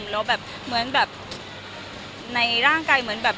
แล้วแบบเหมือนแบบในร่างกายเหมือนแบบ